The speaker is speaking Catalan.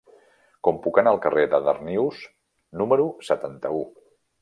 Com puc anar al carrer de Darnius número setanta-u?